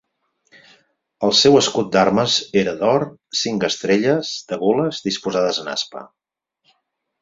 El seu escut d'armes era d'or, cinc estrelles, de gules, disposades en aspa.